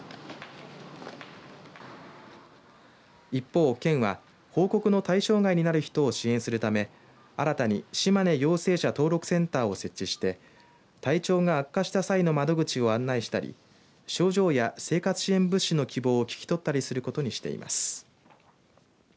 一方、県は報告の対象外になる人を支援するため新たにしまね陽性者登録センターを設置して体調が悪化した際の窓口を案内したり症状や生活支援物資の希望を聞き取ったりすることにしています。